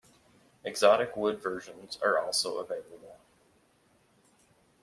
Exotic wood versions are also available.